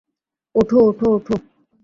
ওঠ, ওঠ, ওঠ।